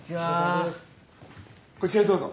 こちらへどうぞ。